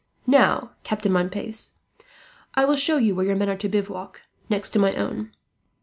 "Now, Captain Montpace, I will show you where your men are to bivouac, next to my own.